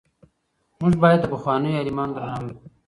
موږ باید د پخوانیو عالمانو درناوی وکړو.